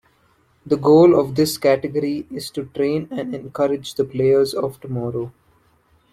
The goal of this category is to train and encourage the players of tomorrow.